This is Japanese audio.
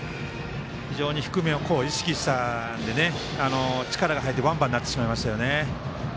非常に低めを意識したので力が入ってワンバンになってしまいましたね。